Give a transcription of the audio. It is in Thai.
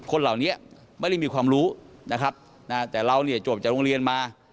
คนเหล่านี้ไม่ได้มีความรู้แต่เราจบจากโรงเรียนมา